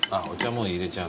もう入れちゃう。